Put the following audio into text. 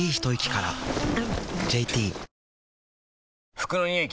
服のニオイ